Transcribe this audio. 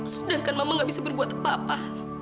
sedangkan mama gak bisa berbuat apa apa